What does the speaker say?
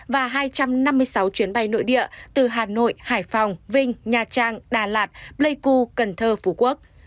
và hai trăm năm mươi sáu chuyến bay nội địa từ hà nội hải phòng vinh nha trang đà lạt pleiku cần thơ phú quốc